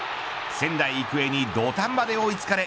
仙台育英に土壇場で追いつかれ